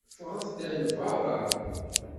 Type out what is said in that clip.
Ffeɣ-d ar beṛṛa!